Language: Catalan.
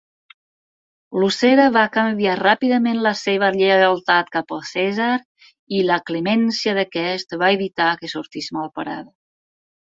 Lucera va canviar ràpidament la seva lleialtat cap a Cèsar, i la clemència d'aquest va evitar que sortís malparada.